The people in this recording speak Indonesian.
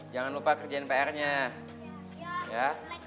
jangan lupa kerjain pr nya ya